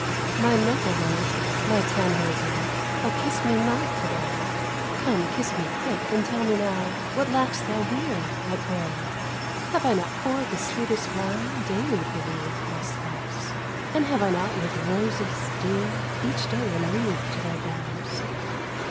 "My noble knight, my Tannhäuser, Thou'st kissed me not to day. Come, kiss me quick, and tell me now, What lack'st thou here, I pray? "Have I not poured the sweetest wine Daily for thee, my spouse? And have I not with roses, dear, Each day enwreathed thy brows?"